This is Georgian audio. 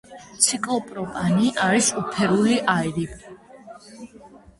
ციკლოპროპანი არის უფერული აირი.